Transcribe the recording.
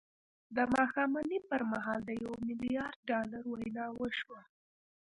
د ماښامنۍ پر مهال د یوه میلیارد ډالرو وینا وشوه